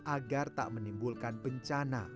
agar tak menimbulkan pencana